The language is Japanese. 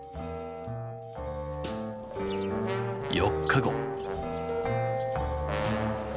４日後。